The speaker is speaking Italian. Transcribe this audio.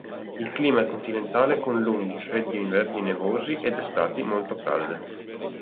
Il clima è continentale con lunghi, freddi inverni nevosi ed estati molto calde.